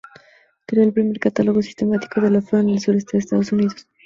Creó el primer catálogo sistemático de la flora en el sureste de Estados Unidos.